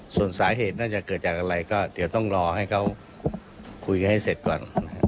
ส่วนสาเหตุน่าจะเกิดจากอะไรก็เดี๋ยวต้องรอให้เขาคุยกันให้เสร็จก่อน